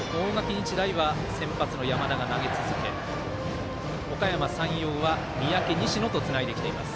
日大は先発の山田が投げ続けおかやま山陽は三宅、西野とつないできています。